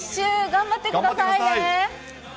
頑張ってください。